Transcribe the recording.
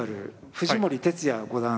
藤森哲也五段。